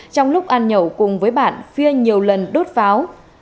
trong lúc ăn nhậu cùng với bạn phia nhiều lần đốt pháo